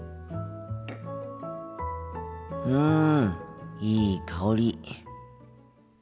うんいい香り。